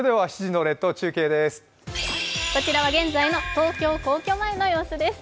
こちらは現在の東京・皇居前の様子です。